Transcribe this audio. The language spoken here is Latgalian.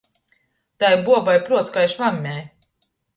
Tai buobai pruots kai švammei!